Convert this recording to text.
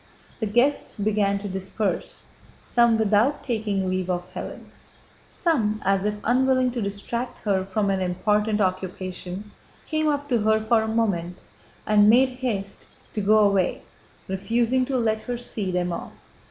The guests began to disperse, some without taking leave of Hélène. Some, as if unwilling to distract her from an important occupation, came up to her for a moment and made haste to go away, refusing to let her see them off.